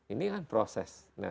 ini kan proses